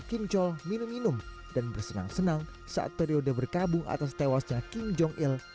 kim jong minum minum dan bersenang senang saat periode berkabung atas tewasnya king jong il